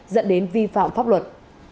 dẫn đến vi phạm pháp luật